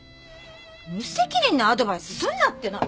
無責任なアドバイスすんなっての。